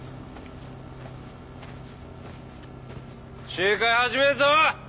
集会始めるぞ！